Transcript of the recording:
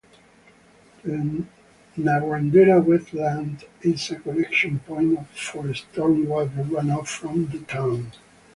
The Narrandera Wetland is a collection point for storm water run-off from the town.